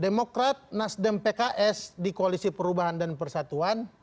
demokrat nasdem pks di koalisi perubahan dan persatuan